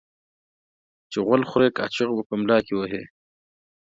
چي غول خوري ، کاچوغه په ملا کې وهي.